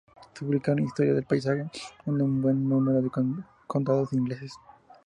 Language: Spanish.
Se publicaron historias del paisaje de un buen número de condados ingleses.